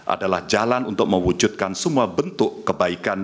adalah jalan untuk mewujudkan semua bentuk kebaikan